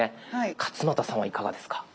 勝俣さんはいかがですか？